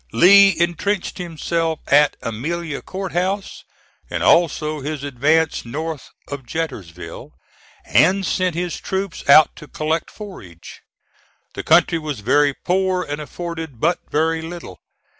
Lee intrenched himself at Amelia Court House, and also his advance north of Jetersville, and sent his troops out to collect forage. The country was very poor and afforded but very little.